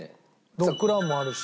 ドッグランもあるし。